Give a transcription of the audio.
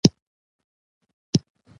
شین دی د چمن او فصلونو او زهرا رنګ